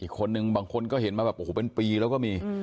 อีกคนหนึ่งเฮ้ยบางคนก็เห็นมาแบบโหเป็นปีแล้วก็มี